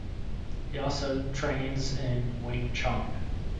He also trains in wing chun.